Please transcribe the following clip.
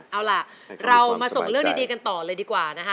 เอาล่ะเรามาส่งเรื่องดีกันต่อเลยดีกว่านะคะ